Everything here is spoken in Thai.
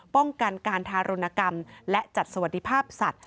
ป้องกันการทารุณกรรมและจัดสวัสดิภาพสัตว